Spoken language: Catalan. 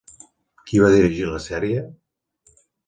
Qui va dirigir la sèrie?